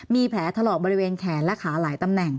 มีแผลถลอกบริเวณแขนและขาหลายตำแหน่ง